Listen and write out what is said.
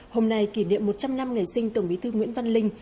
hôm nay kỷ niệm một trăm linh năm ngày sinh tổng bí thư nguyễn văn linh